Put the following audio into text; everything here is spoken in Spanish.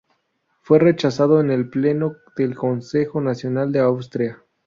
Fue rechazado en el pleno del Consejo Nacional de Austria.